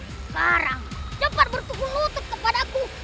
sekarang cepat bertukus lutut kepadaku